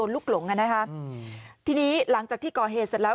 กลุ่มหนึ่งก็คือ